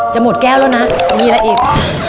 จะหมดแก้วแล้วนะมีแล้วอีก